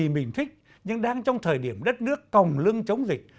mình mua gì mình thích nhưng đang trong thời điểm đất nước còng lưng chống dịch